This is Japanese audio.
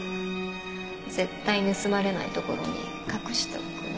絶対盗まれない所に隠しておくの。